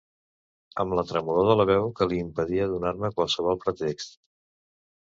Amb la tremolor de la veu que li impedia donar-me qualsevol pretext.